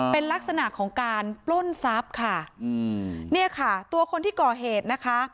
เป็นลักษณะของการปล้นทรัพย์ค่ะอืมเนี่ยค่ะตัวคนที่ก่อเหตุนะคะ